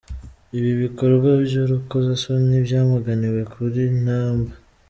Ibi bikorwa by’urukozasoni byamaganiwe kure na Amb.